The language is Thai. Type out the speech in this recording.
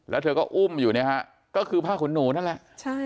แล้วเธอก็อุ้มอยู่เนี่ยฮะก็คือผ้าขนหนูนั่นแหละใช่